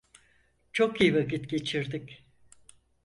Çok iyi vakit geçirdik.